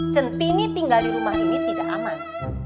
centini tinggal di rumah ini tidak aman